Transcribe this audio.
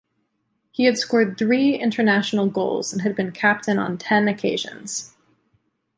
He had scored three international goals and had been captain on ten occasions.